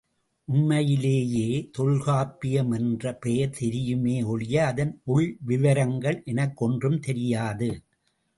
உண்மையிலேயே தொல்காப்பியம் என்ற பெயர் தெரியுமே ஒழிய அதன் உள்விவரங்கள் எனக்கொன்றும் தெரியாது.